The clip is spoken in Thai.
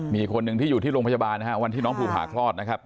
มีคนหนึ่งที่อยู่ที่โรงพยาบาลนะฮะวันที่น้องภูผาคลอดนะครับ